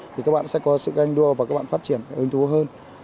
thì các bạn sẽ có sự ganh đua và các bạn phát triển ứng thú hơn